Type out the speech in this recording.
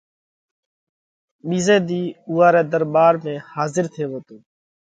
ٻِيزئہ ۮِي اُوئا رئہ ۮرٻار ۾ حاضر ٿيوو تو۔